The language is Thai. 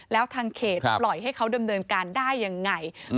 แล้วทางเขตปล่อยให้เขาดำเนินการได้ยังไง